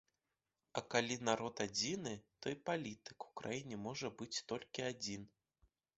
А калі народ адзіны, то і палітык у краіне можа быць толькі адзін.